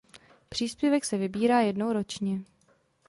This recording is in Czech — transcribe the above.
Příspěvek se vybírá jednou ročně.